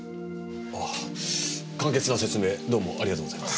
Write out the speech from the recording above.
あ簡潔な説明どうもありがとうございます。